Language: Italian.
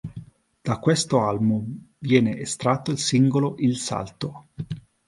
Da questo album viene estratto il singolo "Il salto".